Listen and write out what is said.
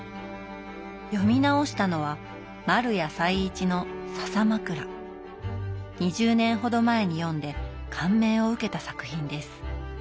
読み直したのは２０年ほど前に読んで感銘を受けた作品です。